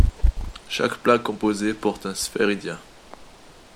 Chaque plaque composée porte un sphaeridia.